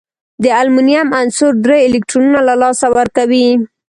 د المونیم عنصر درې الکترونونه له لاسه ورکوي.